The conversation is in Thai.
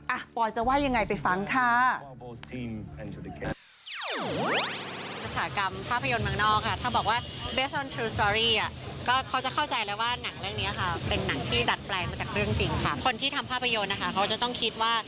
ปอยจะว่ายังไงไปฟังค่ะ